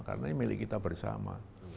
karena ini milik kita bersama